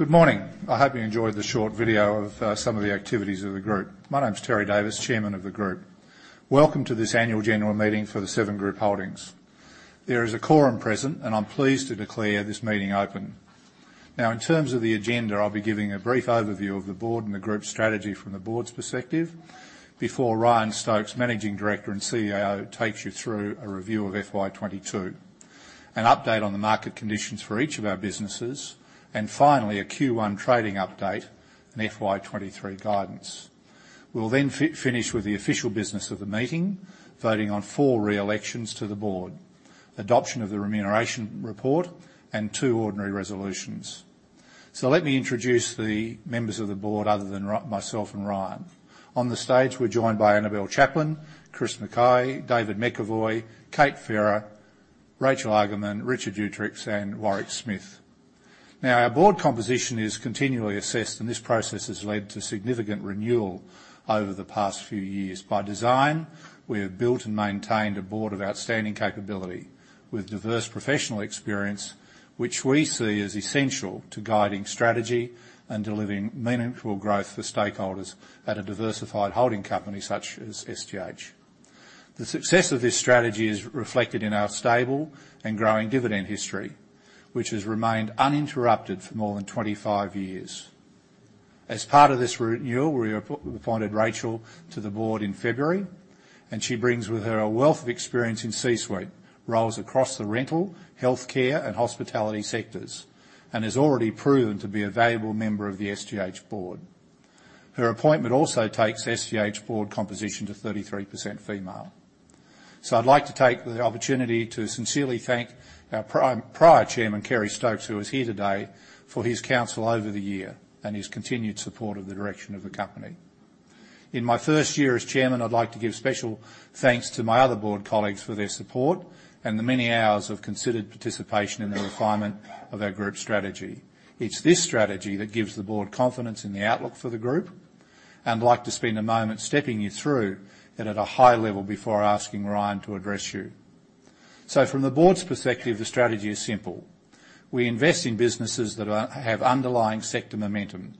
Good morning. I hope you enjoyed the short video of some of the activities of the Group. My name is Terry Davis, Chairman of the Group. Welcome to this annual general meeting for Seven Group Holdings. There is a quorum present, and I'm pleased to declare this meeting open. Now in terms of the agenda, I'll be giving a brief overview of the Board and the Group strategy from the Board's perspective before Ryan Stokes, Managing Director and CEO, takes you through a review of FY 2022, an update on the market conditions for each of our businesses, and finally, a Q1 trading update and FY 2023 guidance. We'll then finish with the official business of the meeting, voting on four re-elections to the Board, adoption of the remuneration report, and two ordinary resolutions. Let me introduce the members of the Board other than myself and Ryan. On the stage, we're joined by Annabelle Chaplain, Chris Mackay, David McEvoy, Kate Farrar, Rachel Argaman, Richard Uechtritz and War Smith. Now our Board composition is continually assessed, and this process has led to significant renewal over the past few years. By design, we have built and maintained a Board of outstanding capability with diverse professional experience, which we see as essential to guiding strategy and delivering meaningful growth for stakeholders at a diversified holding company such as SGH. The success of this strategy is reflected in our stable and growing dividend history, which has remained uninterrupted for more than 25 years. As part of this renewal, we appointed Rachel to the Board in February, and she brings with her a wealth of experience in C-suite roles across the rental, healthcare and hospitality sectors, and has already proven to be a valuable member of the SGH Board. Her appointment also takes SGH Board composition to 33% female. I'd like to take the opportunity to sincerely thank our prior Chairman, Kerry Stokes, who is here today, for his counsel over the year and his continued support of the direction of the company. In my first year as Chairman, I'd like to give special thanks to my other Board colleagues for their support and the many hours of considered participation in the refinement of our Group strategy. It's this strategy that gives the Board confidence in the outlook for the Group, and I'd like to spend a moment stepping you through it at a high level before asking Ryan to address you. From the Board's perspective, the strategy is simple. We invest in businesses that are, have underlying sector momentum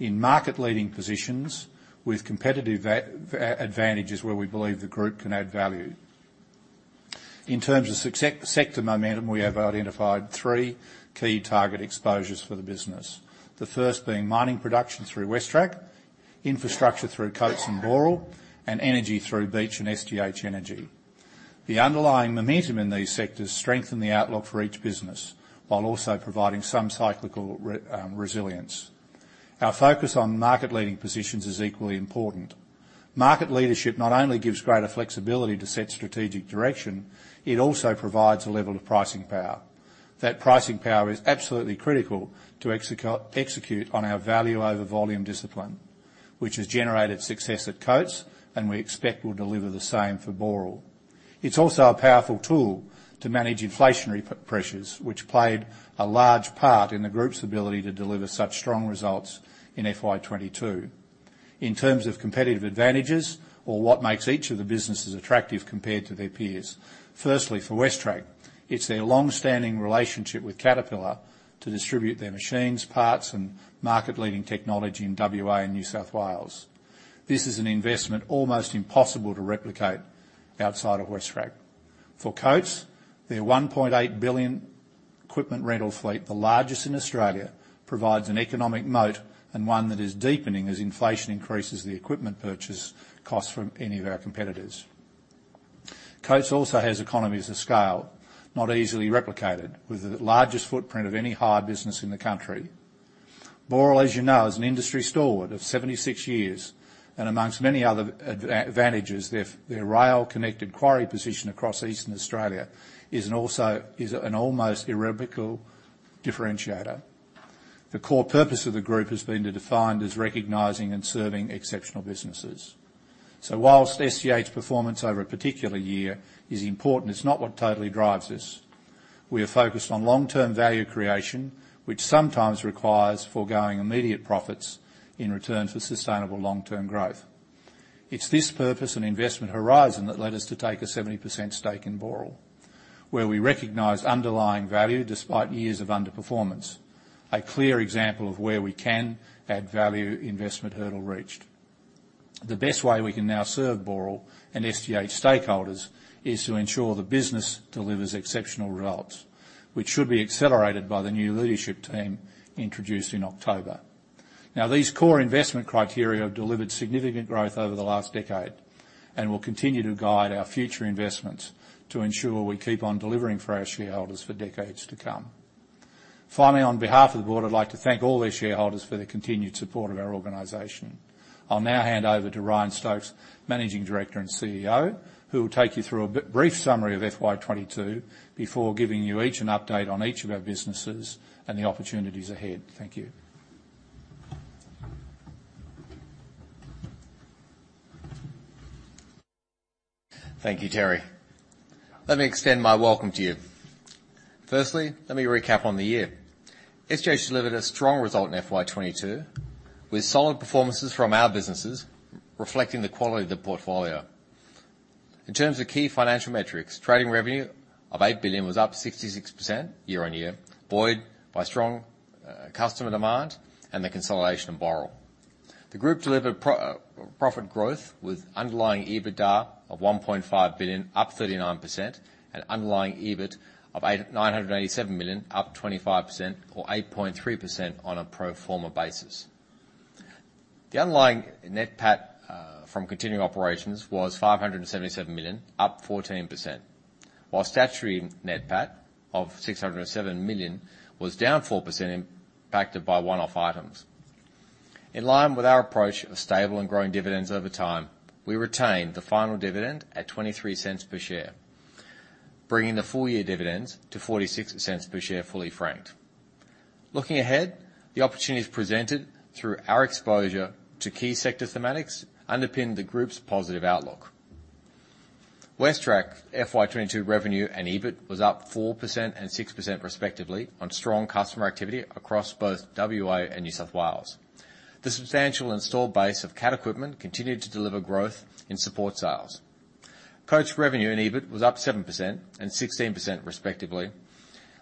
in market-leading positions with competitive advantages where we believe the Group can add value. In terms of sector momentum, we have identified three key target exposures for the business. The first being mining production through WesTrac, infrastructure through Coates and Boral, and energy through Beach and SGH Energy. The underlying momentum in these sectors strengthen the outlook for each business while also providing some cyclical resilience. Our focus on market-leading positions is equally important. Market leadership not only gives greater flexibility to set strategic direction, it also provides a level of pricing power. That pricing power is absolutely critical to execute on our value over volume discipline, which has generated success at Coates and we expect will deliver the same for Boral. It's also a powerful tool to manage inflationary pressures, which played a large part in the Group's ability to deliver such strong results in FY 2022. In terms of competitive advantages or what makes each of the businesses attractive compared to their peers, firstly, for WesTrac, it's their long-standing relationship with Caterpillar to distribute their machines, parts and market-leading technology in WA and New South Wales. This is an investment almost impossible to replicate outside of WesTrac. For Coates, their $1.8 billion equipment rental fleet, the largest in Australia, provides an economic moat and one that is deepening as inflation increases the equipment purchase cost from any of our competitors. Coates also has economies of scale, not easily replicated with the largest footprint of any hire business in the country. Boral, as you know, is an industry stalwart of 76 years and among many other advantages, their rail-connected quarry position across Eastern Australia is an almost irrevocable differentiator. The core purpose of the Group has been defined as recognizing and serving exceptional businesses. While SGH performance over a particular year is important, it's not what totally drives us. We are focused on long-term value creation, which sometimes requires foregoing immediate profits in return for sustainable long-term growth. It's this purpose and investment horizon that led us to take a 70% stake in Boral, where we recognize underlying value despite years of underperformance, a clear example of where we can add value investment hurdle reached. The best way we can now serve Boral and SGH stakeholders is to ensure the business delivers exceptional results, which should be accelerated by the new leadership team introduced in October. These core investment criteria have delivered significant growth over the last decade and will continue to guide our future investments to ensure we keep on delivering for our shareholders for decades to come. Finally, on behalf of the Board, I'd like to thank all their shareholders for their continued support of our organization. I'll now hand over to Ryan Stokes, Managing Director and CEO, who will take you through a brief summary of FY 2022 before giving you each an update on each of our businesses and the opportunities ahead. Thank you. Thank you, Terry. Let me extend my welcome to you. Firstly, let me recap on the year. SGH delivered a strong result in FY 2022, with solid performances from our businesses reflecting the quality of the portfolio. In terms of key financial metrics, trading revenue of $8 billion was up 66% year-on-year, buoyed by strong customer demand and the consolidation of Boral. The Group delivered profit growth with underlying EBITDA of $1.5 billion, up 39%, and underlying EBIT of $987 million, up 25% or 8.3% on a pro forma basis. The underlying net PAT from continuing operations was $577 million, up 14%, while statutory net PAT of $607 million was down 4% impacted by one-off items. In line with our approach of stable and growing dividends over time, we retained the final dividend at $0.23 per share, bringing the full year dividends to $0.46 per share, fully franked. Looking ahead, the opportunities presented through our exposure to key sector thematics underpin the Group's positive outlook. WesTrac FY 2022 revenue and EBIT was up 4% and 6% respectively on strong customer activity across both WA and New South Wales. The substantial installed base of CAT equipment continued to deliver growth in support sales. Coates' revenue and EBIT was up 7% and 16% respectively,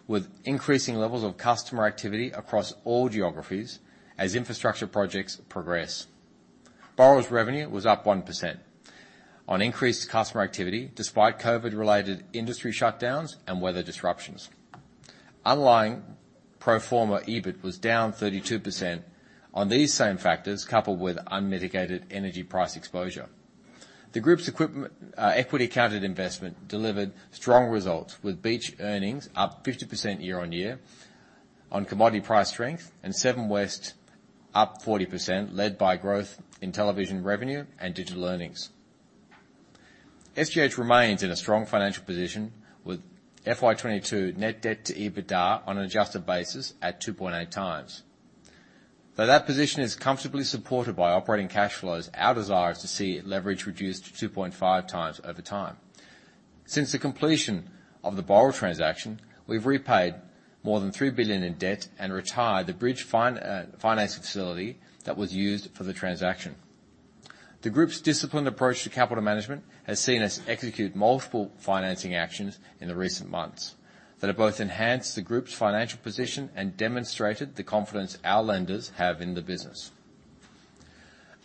with increasing levels of customer activity across all geographies as infrastructure projects progress. Boral's revenue was up 1% on increased customer activity despite COVID-related industry shutdowns and weather disruptions. Underlying pro forma EBIT was down 32% on these same factors, coupled with unmitigated energy price exposure. The Group's equity accounted investment delivered strong results, with Beach earnings up 50% year-on-year on commodity price strength, and Seven West up 40%, led by growth in television revenue and digital earnings. SGH remains in a strong financial position with FY 2022 net debt to EBITDA on an adjusted basis at 2.8x. Though that position is comfortably supported by operating cash flows, our desire is to see leverage reduced to 2.5x over time. Since the completion of the Boral transaction, we've repaid more than $3 billion in debt and retired the bridge finance facility that was used for the transaction. The Group's disciplined approach to capital management has seen us execute multiple financing actions in the recent months that have both enhanced the Group's financial position and demonstrated the confidence our lenders have in the business.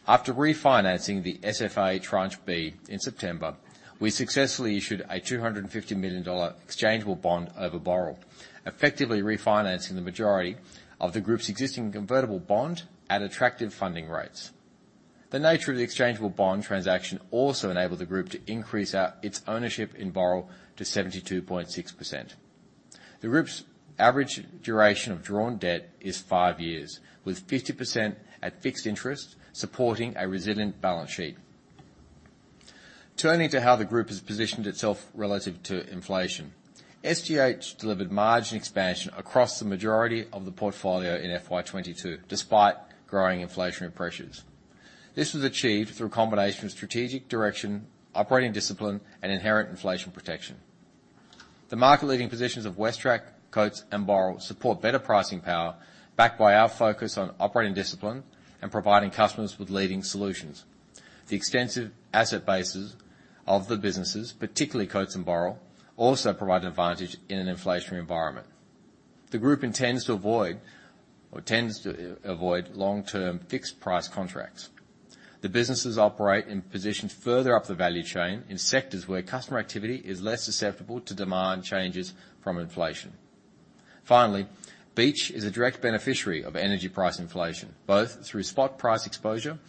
After refinancing the SFA tranche B in September, we successfully issued a $250 million exchangeable bond over Boral, effectively refinancing the majority of the Group's existing convertible bond at attractive funding rates. The nature of the exchangeable bond transaction also enabled the Group to increase its ownership in Boral to 72.6%. The Group's average duration of drawn debt is five years, with 50% at fixed interest supporting a resilient balance sheet. Turning to how the Group has positioned itself relative to inflation. SGH delivered margin expansion across the majority of the portfolio in FY 2022, despite growing inflationary pressures. This was achieved through a combination of strategic direction, operating discipline, and inherent inflation protection. The market-leading positions of WesTrac, Coates, and Boral support better pricing power, backed by our focus on operating discipline and providing customers with leading solutions. The extensive asset bases of the businesses, particularly Coates and Boral, also provide an advantage in an inflationary environment. The Group intends to avoid or tends to avoid long-term fixed price contracts. The businesses operate in positions further up the value chain in sectors where customer activity is less susceptible to demand changes from inflation. Finally, Beach is a direct beneficiary of energy price inflation, both through spot price exposure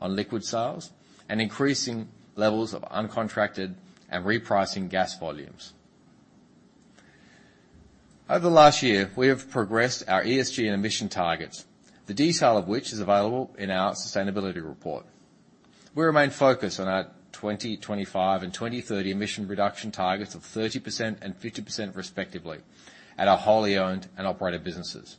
on liquid sales and increasing levels of uncontracted and repricing gas volumes. Over the last year, we have progressed our ESG and emission targets, the detail of which is available in our sustainability report. We remain focused on our 2025 and 2030 emission reduction targets of 30% and 50% respectively at our wholly owned and operated businesses.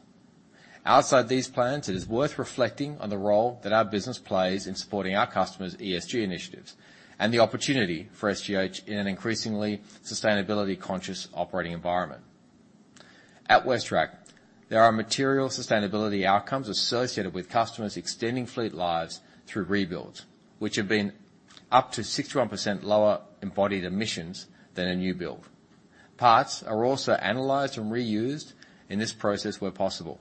Outside these plans, it is worth reflecting on the role that our business plays in supporting our customers' ESG initiatives and the opportunity for SGH in an increasingly sustainability-conscious operating environment. At WesTrac, there are material sustainability outcomes associated with customers extending fleet lives through rebuilds, which have been up to 61% lower embodied emissions than a new build. Parts are also analyzed and reused in this process where possible.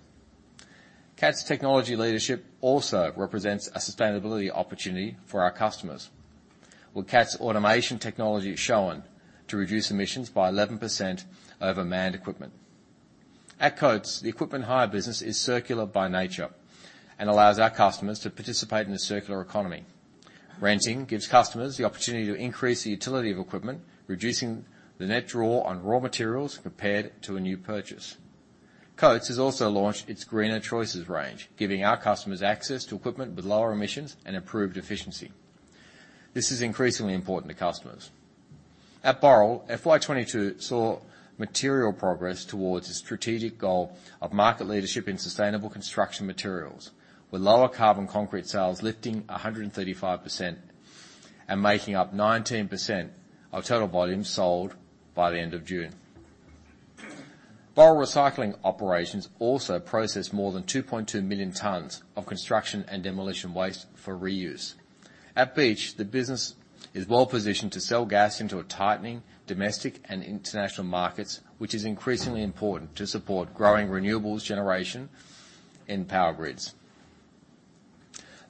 CAT's technology leadership also represents a sustainability opportunity for our customers. With CAT's automation technology shown to reduce emissions by 11% over manned equipment. At Coates, the equipment hire business is circular by nature and allows our customers to participate in a circular economy. Renting gives customers the opportunity to increase the utility of equipment, reducing the net draw on raw materials compared to a new purchase. Coates has also launched its Greener Choices range, giving our customers access to equipment with lower emissions and improved efficiency. This is increasingly important to customers. At Boral, FY 2022 saw material progress towards the strategic goal of market leadership in sustainable construction materials, with lower carbon concrete sales lifting 135% and making up 19% of total volumes sold by the end of June. Boral recycling operations also process more than 2.2 million tons of construction and demolition waste for reuse. At Beach, the business is well positioned to sell gas into a tightening domestic and international markets, which is increasingly important to support growing renewables generation in power grids.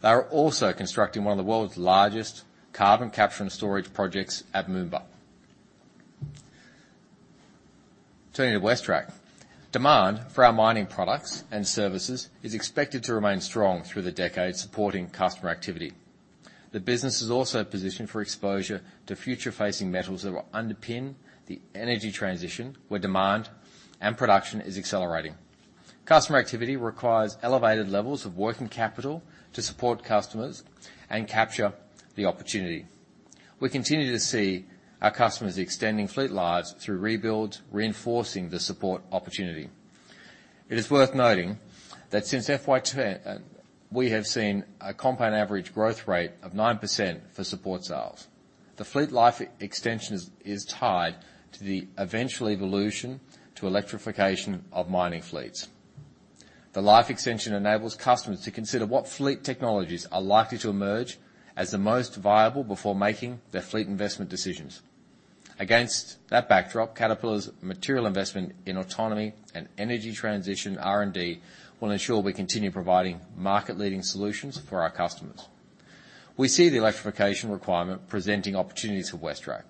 They are also constructing one of the world's largest carbon capture and storage projects at Moomba. Turning to WesTrac. Demand for our mining products and services is expected to remain strong through the decade supporting customer activity. The business is also positioned for exposure to future facing metals that will underpin the energy transition where demand and production is accelerating. Customer activity requires elevated levels of working capital to support customers and capture the opportunity. We continue to see our customers extending fleet lives through rebuilds, reinforcing the support opportunity. It is worth noting that since FY 2020 we have seen a compound average growth rate of 9% for support sales. The fleet life extension is tied to the eventual evolution to electrification of mining fleets. The life extension enables customers to consider what fleet technologies are likely to emerge as the most viable before making their fleet investment decisions. Against that backdrop, Caterpillar's material investment in autonomy and energy transition R&D will ensure we continue providing market-leading solutions for our customers. We see the electrification requirement presenting opportunities for WesTrac,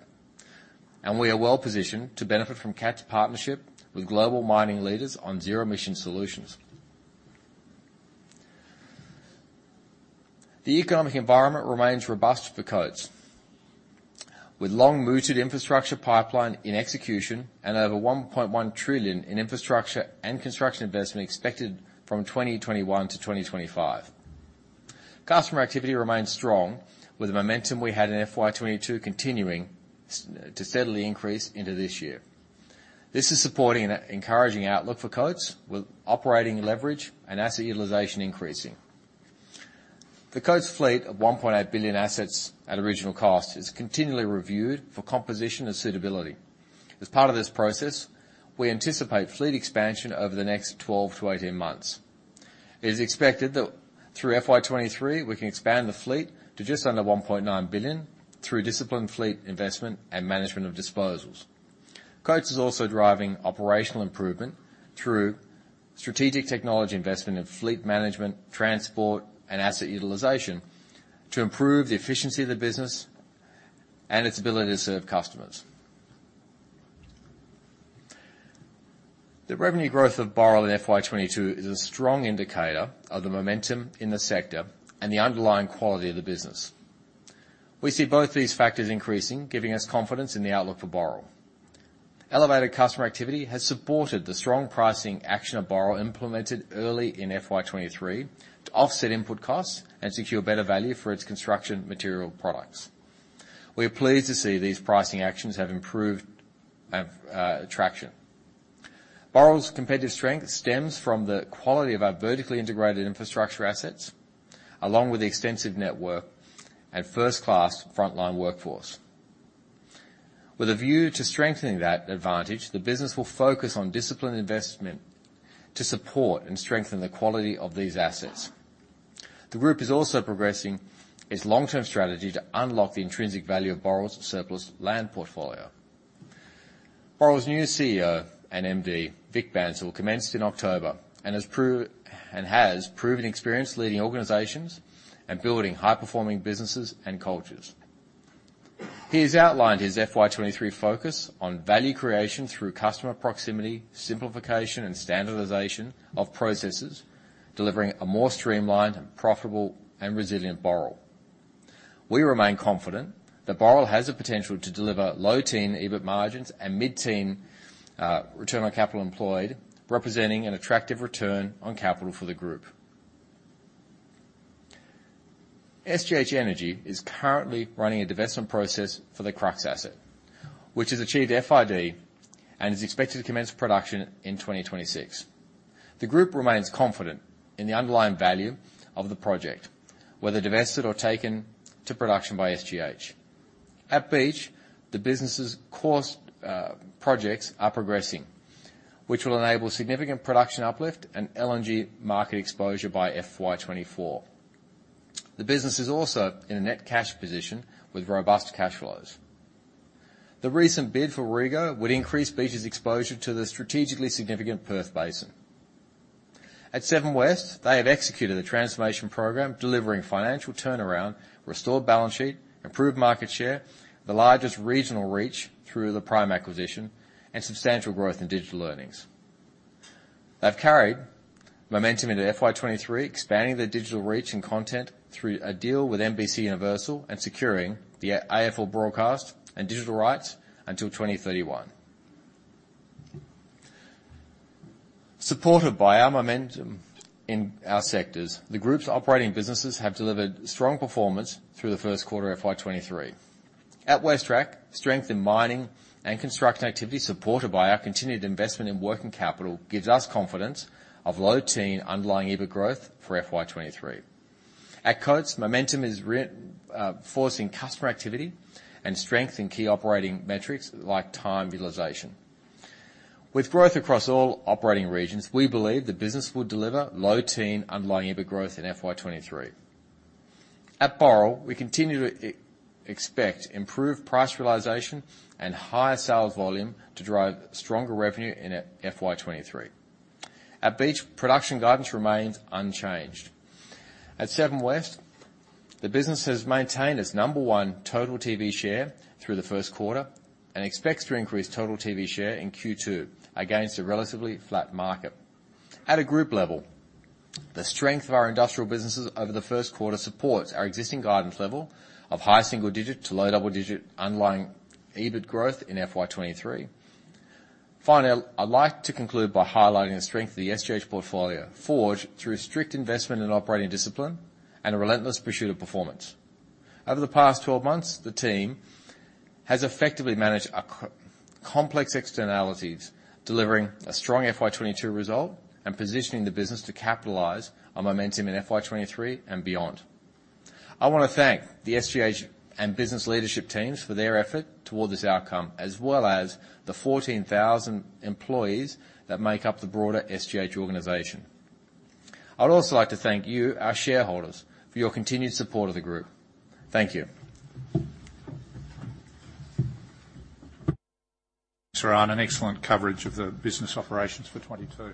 and we are well-positioned to benefit from CAT's partnership with global mining leaders on zero emission solutions. The economic environment remains robust for Coates, with long-mooted infrastructure pipeline in execution and over $1.1 trillion in infrastructure and construction investment expected from 2021 to 2025. Customer activity remains strong with the momentum we had in FY 2022 continuing to steadily increase into this year. This is supporting an encouraging outlook for Coates with operating leverage and asset utilization increasing. The Coates fleet of $1.8 billion assets at original cost is continually reviewed for composition and suitability. As part of this process, we anticipate fleet expansion over the next 12 months-18 months. It is expected that through FY 2023, we can expand the fleet to just under $1.9 billion through disciplined fleet investment and management of disposals. Coates is also driving operational improvement through strategic technology investment in fleet management, transport, and asset utilization to improve the efficiency of the business and its ability to serve customers. The revenue growth of Boral in FY 2022 is a strong indicator of the momentum in the sector and the underlying quality of the business. We see both these factors increasing, giving us confidence in the outlook for Boral. Elevated customer activity has supported the strong pricing action of Boral implemented early in FY 2023 to offset input costs and secure better value for its construction material products. We are pleased to see these pricing actions have improved traction. Boral's competitive strength stems from the quality of our vertically integrated infrastructure assets, along with the extensive network and first-class frontline workforce. With a view to strengthening that advantage, the business will focus on disciplined investment to support and strengthen the quality of these assets. The Group is also progressing its long-term strategy to unlock the intrinsic value of Boral's surplus land portfolio. Boral's new CEO and MD, Vik Bansal, commenced in October and has proven experience leading organizations and building high-performing businesses and cultures. He has outlined his FY 2023 focus on value creation through customer proximity, simplification, and standardization of processes, delivering a more streamlined and profitable and resilient Boral. We remain confident that Boral has the potential to deliver low-teens EBIT margins and mid-teens return on capital employed, representing an attractive return on capital for the Group. SGH Energy is currently running a divestment process for the Crux asset, which has achieved FID and is expected to commence production in 2026. The Group remains confident in the underlying value of the project, whether divested or taken to production by SGH. At Beach, the business's core projects are progressing, which will enable significant production uplift and LNG market exposure by FY 2024. The business is also in a net cash position with robust cash flows. The recent bid for Warrego would increase Beach's exposure to the strategically significant Perth Basin. At Seven West, they have executed a transformation program, delivering financial turnaround, restored balance sheet, improved market share, the largest regional reach through the Prime acquisition, and substantial growth in digital earnings. They've carried momentum into FY 2023, expanding their digital reach and content through a deal with NBCUniversal and securing the AFL broadcast and digital rights until 2031. Supported by our momentum in our sectors, the Group's operating businesses have delivered strong performance through the first quarter of FY 2023. At WesTrac, strength in mining and construction activity, supported by our continued investment in working capital, gives us confidence of low-teens underlying EBIT growth for FY 2023. At Coates, momentum is reinforcing customer activity and strength in key operating metrics like time utilization. With growth across all operating regions, we believe the business will deliver low-teens underlying EBIT growth in FY 2023. At Boral, we continue to expect improved price realization and higher sales volume to drive stronger revenue in FY 2023. At Beach, production guidance remains unchanged. At Seven West, the business has maintained its number one total TV share through the first quarter and expects to increase total TV share in Q2 against a relatively flat market. At a Group level, the strength of our industrial businesses over the first quarter supports our existing guidance level of high single digit to low double digit underlying EBIT growth in FY 2023. Finally, I'd like to conclude by highlighting the strength of the SGH portfolio, forged through strict investment in operating discipline and a relentless pursuit of performance. Over the past 12 months, the team has effectively managed a complex externalities, delivering a strong FY 2022 result and positioning the business to capitalize on momentum in FY 2023 and beyond. I wanna thank the SGH and business leadership teams for their effort toward this outcome, as well as the 14,000 employees that make up the broader SGH organization. I'd also like to thank you, our shareholders, for your continued support of the Group. Thank you. Thanks, Ryan. An excellent coverage of the business operations for 2022.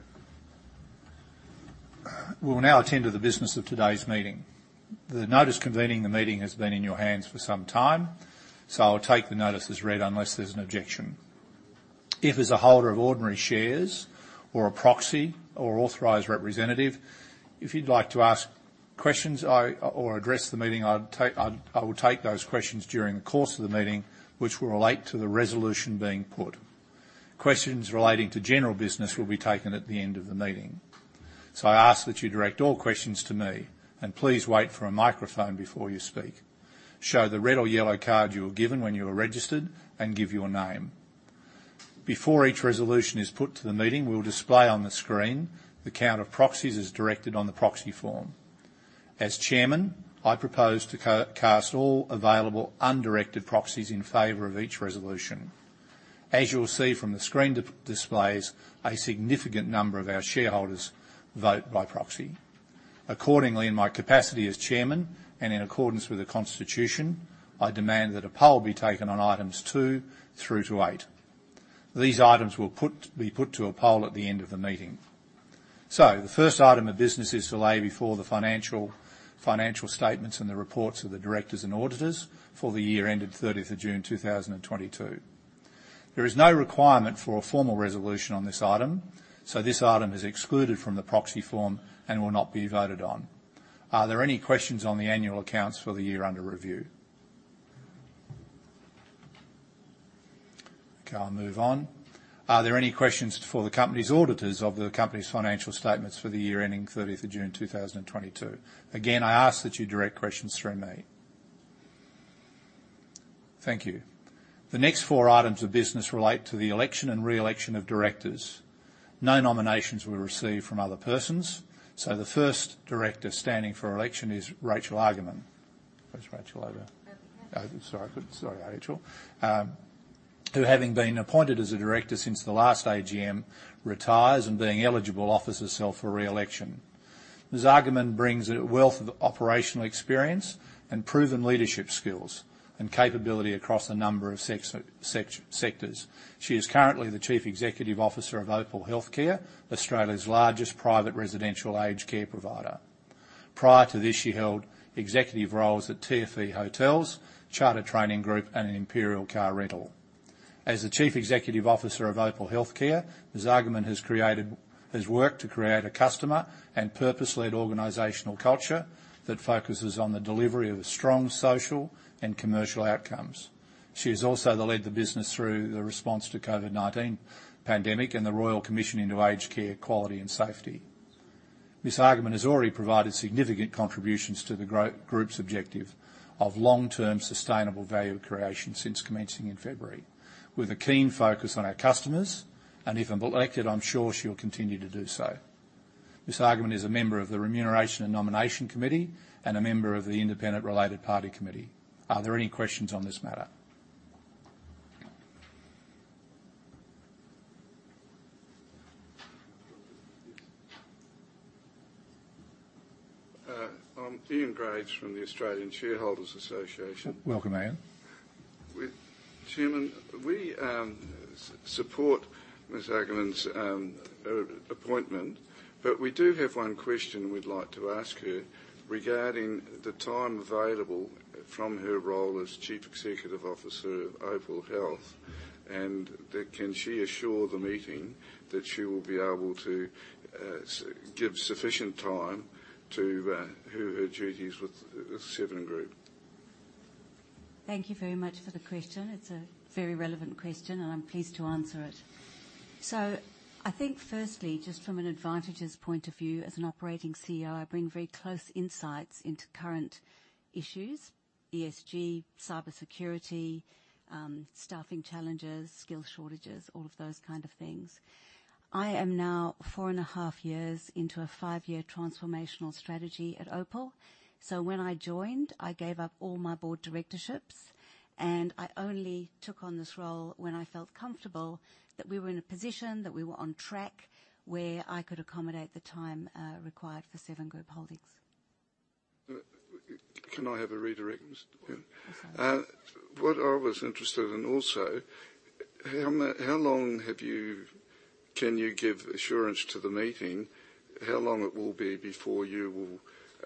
We will now attend to the business of today's meeting. The notice convening the meeting has been in your hands for some time, so I'll take the notice as read unless there's an objection. If, as a holder of ordinary shares or a proxy or authorized representative, you'd like to ask questions or address the meeting, I will take those questions during the course of the meeting which will relate to the resolution being put. Questions relating to general business will be taken at the end of the meeting. I ask that you direct all questions to me, and please wait for a microphone before you speak. Show the red or yellow card you were given when you were registered and give your name. Before each resolution is put to the meeting, we will display on the screen the count of proxies as directed on the proxy form. As Chairman, I propose to cast all available undirected proxies in favor of each resolution. As you will see from the screen displays, a significant number of our shareholders vote by proxy. Accordingly, in my capacity as Chairman and in accordance with the constitution, I demand that a poll be taken on items 2 through to 8. These items will be put to a poll at the end of the meeting. The first item of business is to lay before the financial statements and the reports of the Directors and auditors for the year ending 30th of June 2022. There is no requirement for a formal resolution on this item, so this item is excluded from the proxy form and will not be voted on. Are there any questions on the annual accounts for the year under review? Okay, I'll move on. Are there any questions for the company's auditors of the company's financial statements for the year ending 30th of June, 2022? Again, I ask that you direct questions through me. Thank you. The next four items of business relate to the election and re-election of Directors. No nominations were received from other persons, so the first Director standing for election is Rachel Argaman. Where's Rachel? Over here. Sorry, Rachel, who having been appointed as a Director since the last AGM, retires and being eligible, offers herself for re-election. Ms. Argaman brings a wealth of operational experience and proven leadership skills and capability across a number of sectors. She is currently the Chief Executive Officer of Opal HealthCare, Australia's largest private residential aged care provider. Prior to this, she held executive roles at TFE Hotels, Charter Training Group, and Imperial Car Rental. As the Chief Executive Officer of Opal HealthCare, Ms. Argaman has worked to create a customer and purpose-led organizational culture that focuses on the delivery of strong social and commercial outcomes. She has also led the business through the response to COVID-19 pandemic and the Royal Commission into Aged Care Quality and Safety. Ms. Argaman has already provided significant contributions to the Group's objective of long-term sustainable value creation since commencing in February, with a keen focus on our customers, and if elected, I'm sure she will continue to do so. Ms. Argaman is a member of the Remuneration and Nomination Committee and a member of the Independent & Related Party Committee. Are there any questions on this matter? I'm Ian Graves from the Australian Shareholders' Association. Welcome, Ian. Chairman, we support Ms. Argaman's appointment, but we do have one question we'd like to ask her regarding the time available from her role as Chief Executive Officer of Opal Health, and that can she assure the meeting that she will be able to give sufficient time to her duties with Seven Group? Thank you very much for the question. It's a very relevant question, and I'm pleased to answer it. I think firstly, just from an advantages point of view as an operating CEO, I bring very close insights into current issues, ESG, cybersecurity, staffing challenges, skill shortages, all of those kind of things. I am now 4.5 years into a five-year transformational strategy at Opal. When I joined, I gave up all my Board Directorships, and I only took on this role when I felt comfortable that we were in a position that we were on track, where I could accommodate the time, required for Seven Group Holdings. Can I have a redirect, Mr. Chairman? Absolutely. What I was interested in also, can you give assurance to the meeting how long it will be before you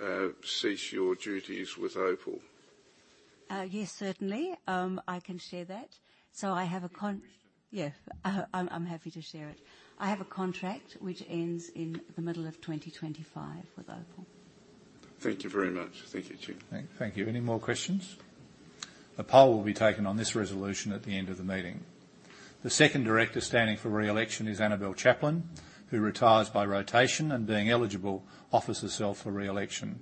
will cease your duties with Opal? Yes, certainly. I can share that. I have a contract. If you wish to. Yes. I'm happy to share it. I have a contract which ends in the middle of 2025 with Opal. Thank you very much. Thank you, Chair. Thank you. Any more questions? A poll will be taken on this resolution at the end of the meeting. The second Director standing for re-election is Annabelle Chaplain, who retires by rotation and being eligible, offers herself for re-election.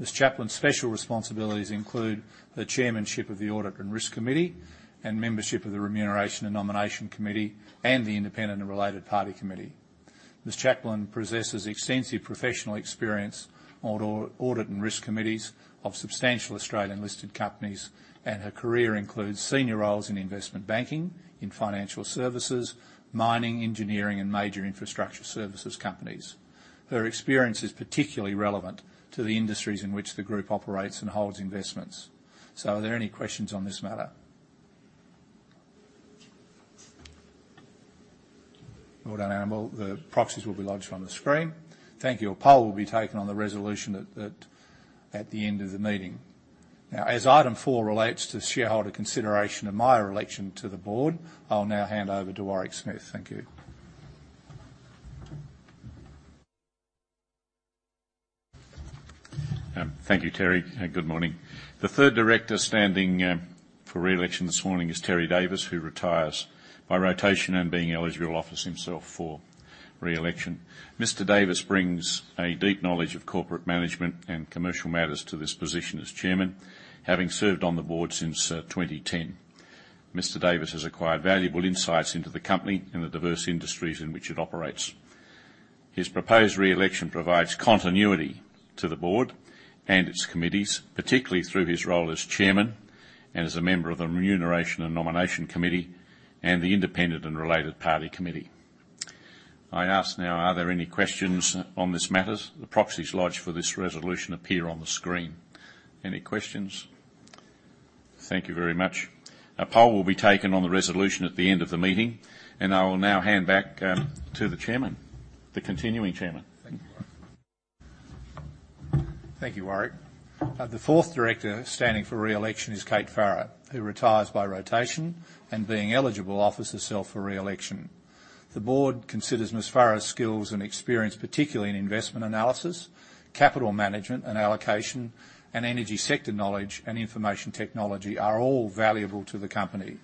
Ms. Chaplain's special responsibilities include the Chairmanship of the Audit and Risk Committee and membership of the Remuneration and Nomination Committee and the Independent & Related Party Committee. Ms. Chaplain possesses extensive professional experience on Audit and Risk Committees of substantial Australian listed companies, and her career includes senior roles in investment banking, in financial services, mining, engineering, and major infrastructure services companies. Her experience is particularly relevant to the industries in which the Group operates and holds investments. Are there any questions on this matter? Well done. The proxies will be lodged on the screen. Thank you. A poll will be taken on the resolution at the end of the meeting. Now, as item four relates to shareholder consideration and my re-election to the Board, I'll now hand over to War Smith. Thank you. Thank you, Terry, and good morning. The third Director standing for re-election this morning is Terry Davis, who retires by rotation and, being eligible, offers himself for re-election. Mr. Davis brings a deep knowledge of corporate management and commercial matters to this position as Chairman. Having served on the Board since 2010, Mr. Davis has acquired valuable insights into the company and the diverse industries in which it operates. His proposed re-election provides continuity to the Board and its committees, particularly through his role as Chairman and as a member of the Remuneration and Nomination Committee and the Independent & Related Party Committee. I ask now, are there any questions on this matter? The proxies lodged for this resolution appear on the screen. Any questions? Thank you very much. A poll will be taken on the resolution at the end of the meeting, and I will now hand back to the Chairman, the continuing Chairman. Thank you, Warwick. The fourth Director standing for re-election is Kate Farrar, who retires by rotation and, being eligible, offers herself for re-election. The Board considers Ms. Farrar's skills and experience, particularly in investment analysis, capital management and allocation, and energy sector knowledge and information technology, are all valuable to the company.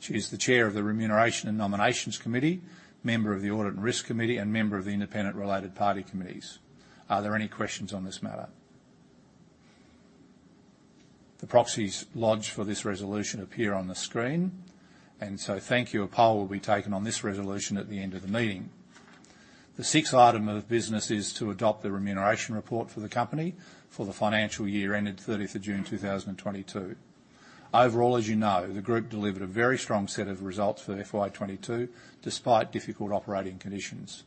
She is the Chair of the Remuneration and Nomination Committee, member of the Audit and Risk Committee, and member of the Independent & Related Party Committees. Are there any questions on this matter? The proxies lodged for this resolution appear on the screen. Thank you. A poll will be taken on this resolution at the end of the meeting. The sixth item of business is to adopt the remuneration report for the company for the financial year ended 30 June 2022. Overall, as you know, the Group delivered a very strong set of results for FY 2022, despite difficult operating conditions.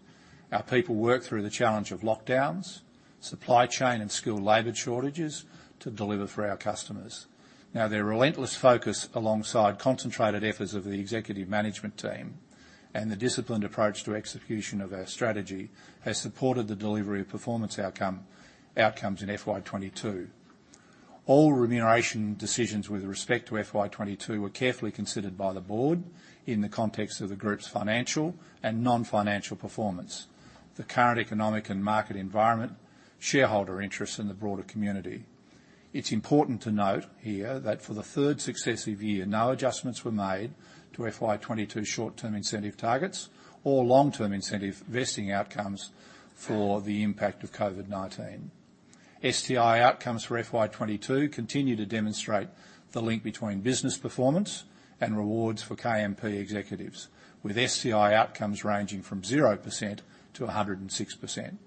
Our people worked through the challenge of lockdowns, supply chain and skilled labor shortages to deliver for our customers. Now, their relentless focus, alongside concentrated efforts of the executive management team and the disciplined approach to execution of our strategy, has supported the delivery of performance outcomes in FY 2022. All remuneration decisions with respect to FY 2022 were carefully considered by the Board in the context of the Group's financial and non-financial performance, the current economic and market environment, shareholder interests in the broader community. It's important to note here that for the third successive year, no adjustments were made to FY 2022 short-term incentive targets or long-term incentive vesting outcomes for the impact of COVID-19. STI outcomes for FY 2022 continue to demonstrate the link between business performance and rewards for KMP executives, with STI outcomes ranging from 0% to 106%,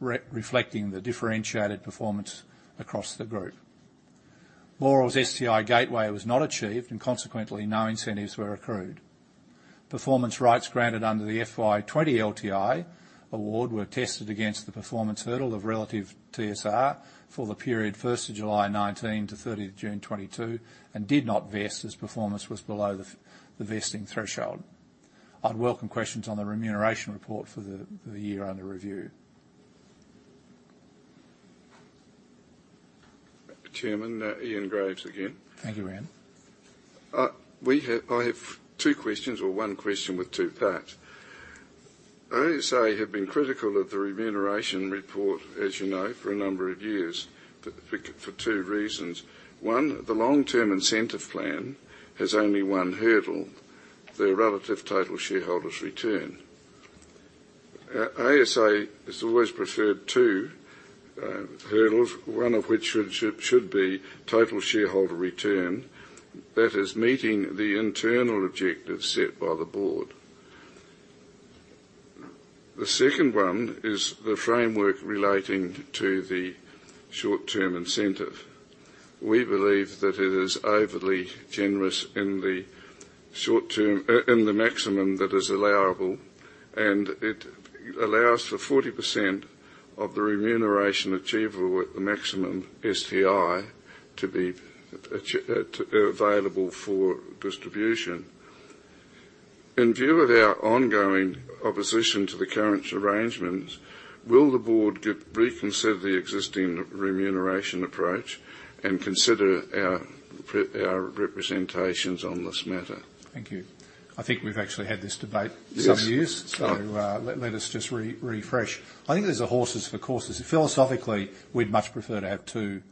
reflecting the differentiated performance across the Group. Boral's STI gateway was not achieved, and consequently, no incentives were accrued. Performance rights granted under the FY 2020 LTI award were tested against the performance hurdle of relative TSR for the period 1st of July 2019 to 30th June 2022 and did not vest as performance was below the vesting threshold. I'd welcome questions on the remuneration report for the year under review. Chairman, Ian Graves again. Thank you, Ian. I have two questions or one question with two parts. ASA has been critical of the remuneration report, as you know, for a number of years for two reasons. One, the long-term incentive plan has only one hurdle, the relative total shareholder return. ASA has always preferred two hurdles, one of which should be total shareholder return. That is meeting the internal objectives set by the Board. The second one is the framework relating to the short-term incentive. We believe that it is overly generous in the short-term in the maximum that is allowable, and it allows for 40% of the remuneration achievable at the maximum STI to be available for distribution. In view of our ongoing opposition to the current arrangements, will the Board reconsider the existing remuneration approach and consider our representations on this matter? Thank you. I think we've actually had this debate. Yes. Some years. Right. Let us just refresh. I think these are horses for courses. Philosophically, we'd much prefer to have two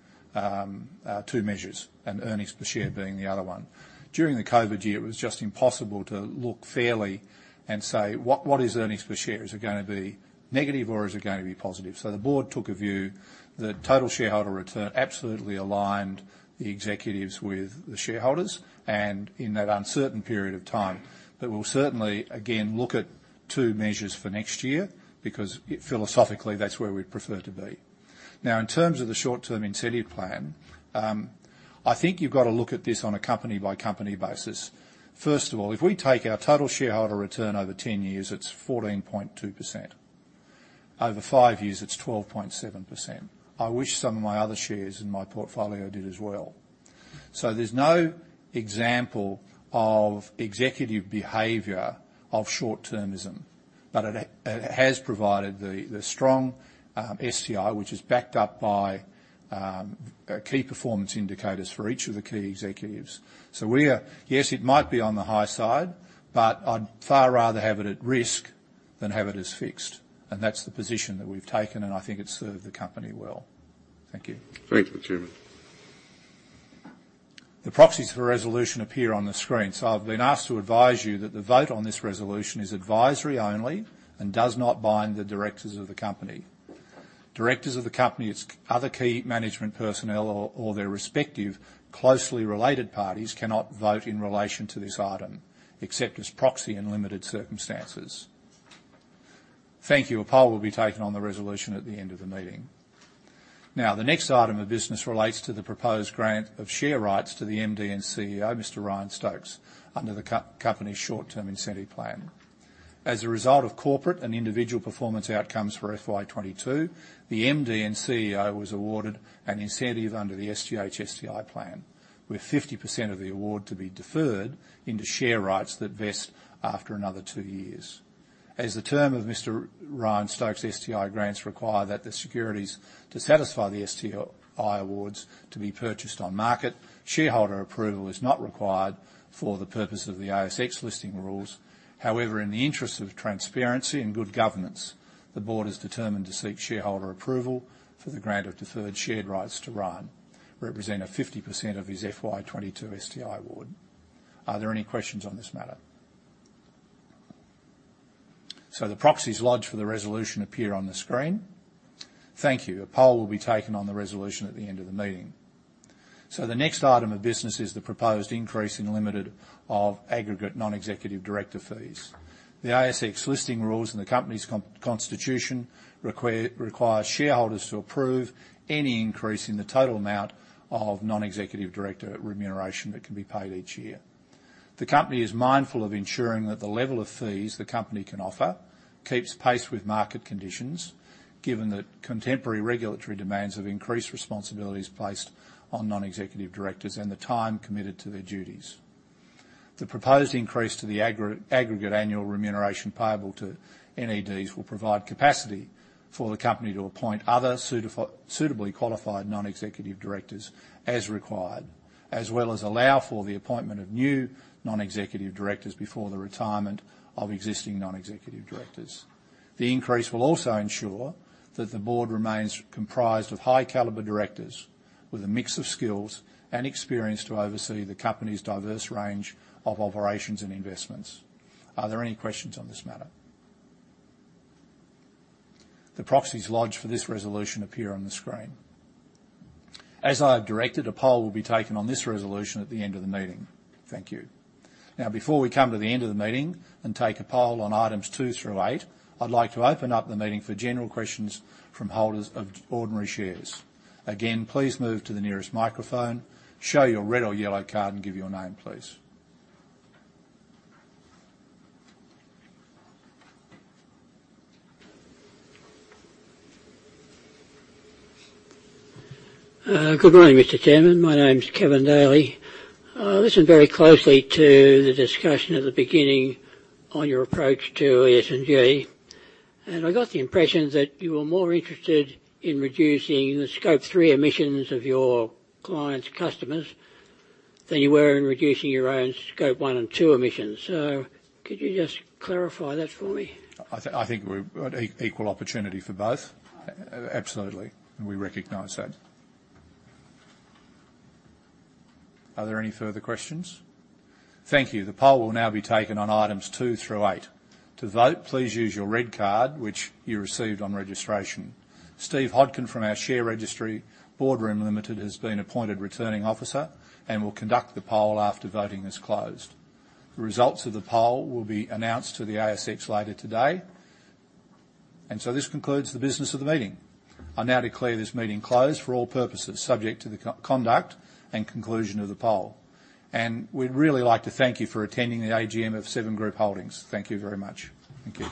measures and earnings per share being the other one. During the COVID year, it was just impossible to look fairly and say, "What is earnings per share? Is it gonna be negative or is it gonna be positive?" The Board took a view that total shareholder return absolutely aligned the executives with the shareholders and in that uncertain period of time. We'll certainly, again, look at two measures for next year because it, philosophically, that's where we'd prefer to be. Now, in terms of the short-term incentive plan, I think you've got to look at this on a company-by-company basis. First of all, if we take our total shareholder return over 10 years, it's 14.2%. Over five years, it's 12.7%. I wish some of my other shares in my portfolio did as well. There's no example of executive behavior of short-termism, but it has provided the strong STI, which is backed up by key performance indicators for each of the key executives. Yes, it might be on the high side, but I'd far rather have it at risk than have it as fixed. That's the position that we've taken, and I think it's served the company well. Thank you. Thank you, Chairman. The proxies for resolution appear on the screen. I've been asked to advise you that the vote on this resolution is advisory only and does not bind the Directors of the company. Directors of the company, other key management personnel or their respective closely related parties cannot vote in relation to this item, except as proxy in limited circumstances. Thank you. A poll will be taken on the resolution at the end of the meeting. Now, the next item of business relates to the proposed grant of share rights to the MD and CEO, Mr. Ryan Stokes, under the company's short-term incentive plan. As a result of corporate and individual performance outcomes for FY 2022, the MD and CEO was awarded an incentive under the SGH STI plan, with 50% of the award to be deferred into share rights that vest after another two years. As the terms of Mr. Ryan Stokes' STI grants require that the securities to satisfy the STI awards be purchased on-market, shareholder approval is not required for the purpose of the ASX Listing Rules. However, in the interest of transparency and good governance, the Board has determined to seek shareholder approval for the grant of deferred share rights to Ryan, representing 50% of his FY 2022 STI award. Are there any questions on this matter? The proxies lodged for the resolution appear on the screen. Thank you. A poll will be taken on the resolution at the end of the meeting. The next item of business is the proposed increase in the limit of aggregate Non-Executive Director fees. The ASX Listing Rules and the company's constitution require shareholders to approve any increase in the total amount of Non-Executive Director remuneration that can be paid each year. The company is mindful of ensuring that the level of fees the company can offer keeps pace with market conditions, given that contemporary regulatory demands have increased responsibilities placed on Non-Executive Directors and the time committed to their duties. The proposed increase to the aggregate annual remuneration payable to NEDs will provide capacity for the company to appoint other suitably qualified Non-Executive Directors as required, as well as allow for the appointment of new Non-Executive Directors before the retirement of existing Non-Executive Directors. The increase will also ensure that the Board remains comprised of high caliber Directors with a mix of skills and experience to oversee the company's diverse range of operations and investments. Are there any questions on this matter? The proxies lodged for this resolution appear on the screen. As I have directed, a poll will be taken on this resolution at the end of the meeting. Thank you. Now, before we come to the end of the meeting and take a poll on items 2 through 8, I'd like to open up the meeting for general questions from holders of ordinary shares. Again, please move to the nearest microphone, show your red or yellow card and give your name, please. Good morning, Mr. Chairman. My name is [Kevin Day]. I listened very closely to the discussion at the beginning on your approach to ESG, and I got the impression that you were more interested in reducing the Scope 3 emissions of your clients' customers than you were in reducing your own Scope 1 and 2 emissions. Could you just clarify that for me? I think we've got equal opportunity for both. Absolutely. We recognize that. Are there any further questions? Thank you. The poll will now be taken on items two through eight. To vote, please use your red card, which you received on registration. Steve Hodkin from our share registry, Boardroom Limited, has been appointed Returning Officer and will conduct the poll after voting is closed. The results of the poll will be announced to the ASX later today. This concludes the business of the meeting. I now declare this meeting closed for all purposes subject to the conduct and conclusion of the poll. We'd really like to thank you for attending the AGM of Seven Group Holdings. Thank you very much. Thank you.